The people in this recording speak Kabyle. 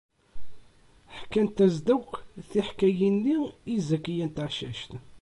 Ḥkant-as-d akk taḥkayt-nni i Zakiya n Tɛeccact.